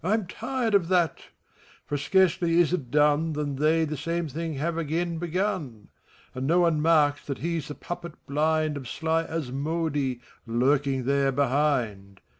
I'm tired of that: for scarcely is it done Than they the same thing have again beg^n ; And no one marks that he's the puppet blind Of sly Asmodi, lurking there behind.